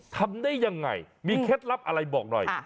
ทำได้ยังไงมีเคล็ดลับอะไรบอกหน่อย